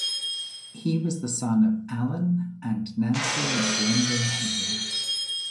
He was the son of Allen and Nancy McLendon Hayden.